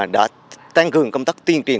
đã tăng cường công tác tuyên truyền